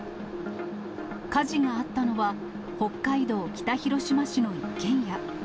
火事があったのは、北海道北広島市の一軒家。